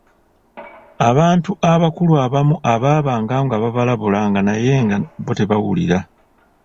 Abantu abakulu abamu abaabanga babalabulanga naye nga bo tebawulira.